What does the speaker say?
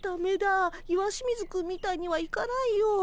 石清水くんみたいにはいかないよ。